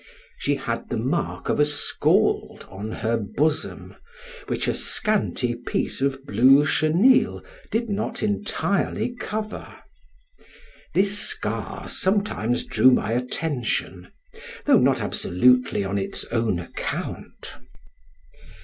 She had the mark of a scald on her bosom, which a scanty piece of blue chenille did not entirely cover, this scar sometimes drew my attention, though not absolutely on its own account.